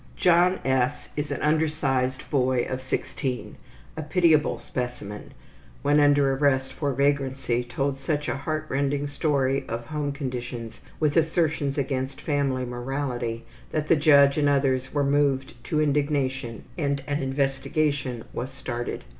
John S., an undersized boy of 16, a pitiable specimen, when under arrest for vagrancy told such a heartrending story of home conditions, with assertions against family morality, that the judge and others were moved to indignation and an investigation was started.